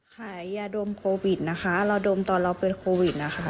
ขายยาดมโควิดนะคะเราดมตอนเราเป็นโควิดนะคะ